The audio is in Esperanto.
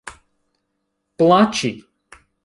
plaĉi